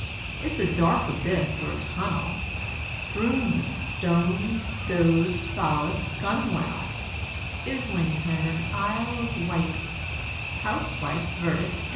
It's a dark abyss or tunnel, Strewn with stones, like rowlock, gunwale, Islington and Isle of Wight, Housewife, verdict and indict!